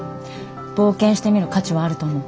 冒険してみる価値はあると思う。